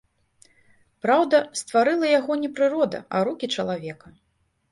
Праўда, стварыла яго не прырода, а рукі чалавека.